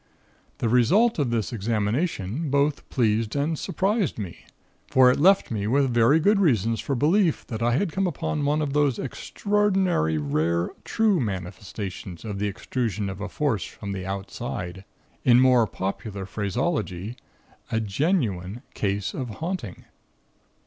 "The result of this examination, both pleased and surprised me, for it left me with very good reasons for belief that I had come upon one of those extraordinary rare 'true manifestations' of the extrusion of a Force from the Outside. In more popular phraseology a genuine case of haunting.